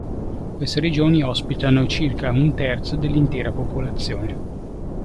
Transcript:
Queste regioni ospitano circa un terzo dell'intera popolazione.